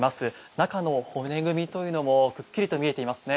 中の骨組みというのもくっきりと見えていますね。